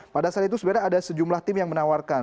pada saat itu sebenarnya ada sejumlah tim yang menawarkan